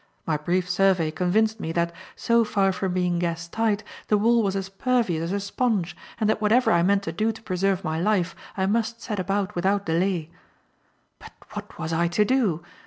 My brief survey convinced me that, so far from being gas tight, the wall was as pervious as a sponge, and that whatever I meant to do to preserve my life, I must set about without delay. But what was I to do?